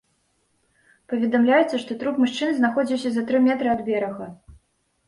Паведамляецца, што труп мужчыны знаходзіўся за тры метры ад берага.